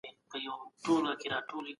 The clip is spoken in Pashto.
ولي خلګ په اسمانونو کي فکر نه کوي؟